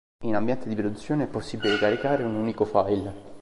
In ambiente di produzione è possibile caricare un unico file.